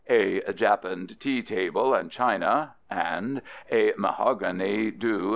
A "Japan'd tea Table & China" and "a Mahog[any] Do.